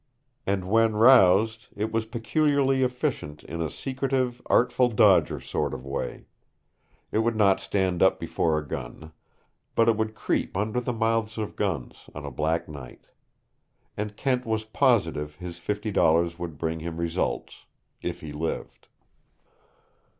And when roused, it was peculiarly efficient in a secretive, artful dodger sort of way. It would not stand up before a gun. But it would creep under the mouths of guns on a black night. And Kent was positive his fifty dollars would bring him results if he lived.